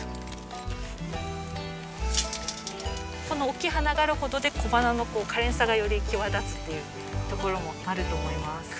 このおっきい花があることで小花のかれんさがより際立つっていうところもあると思います。